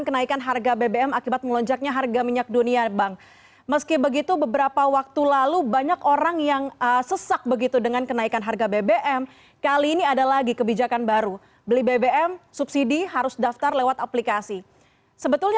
bagaimana cara anda membuat teknologi melalui bumn dan pertamina